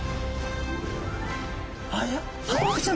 あれ？